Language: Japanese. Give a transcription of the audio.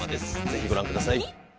是非ご覧ください。